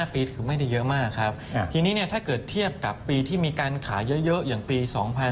ปีคือไม่ได้เยอะมากครับทีนี้ถ้าเกิดเทียบกับปีที่มีการขายเยอะอย่างปี๒๕๕๙